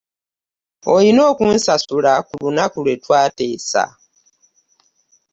Olina okunsasula ku lunaku lwetwateesa.